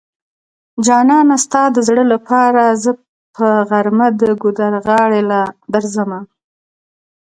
جانانه ستا د زړه لپاره زه په غرمه د ګودر غاړی له درځمه